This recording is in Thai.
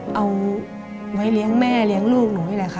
จะไปเลี้ยงแม่เลี้ยงลูก